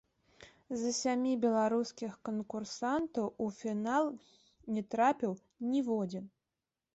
З сямі беларускіх канкурсантаў у фінал не трапіў ніводзін.